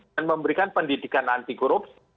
dan memberikan pendidikan anti korups